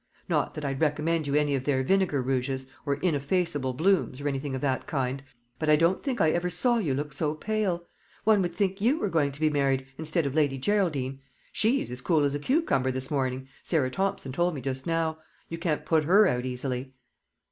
"Not that I'd recommend you any of their vinegar rouges, or ineffaceable blooms, or anything of that kind. But I don't think I ever saw you look so pale. One would think you were going to be married, instead of Lady Geraldine. She's as cool as a cucumber this morning, Sarah Thompson told me just now. You can't put her out easily."